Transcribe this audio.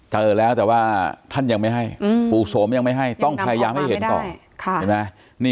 เจอแล้วแต่ว่าท่านยังไม่ให้ปู่โสมยังไม่ให้ต้องพยายามให้เห็นก่อนเห็นไหม